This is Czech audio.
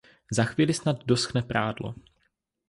Za chvíli snad doschne prádlo.